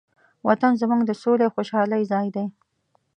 وطن زموږ د سولې او خوشحالۍ ځای دی.